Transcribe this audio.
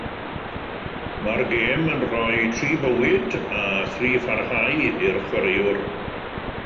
Mae'r gêm yn rhoi tri bywyd a thri pharhau i'r chwaraewr.